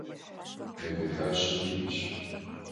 Ne dexaşe vui'eş.